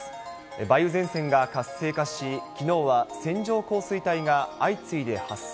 梅雨前線が活性化し、きのうは線状降水帯が相次いで発生。